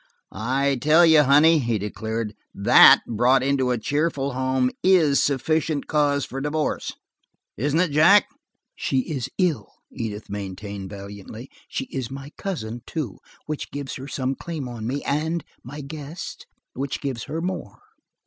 "I tell you, honey," he declared, "that brought into a cheerful home is sufficient cause for divorce. Isn't it, Jack?" "She is ill," Edith maintained valiantly. "She is my cousin, too, which gives her some claim on me, and my guest, which gives her more."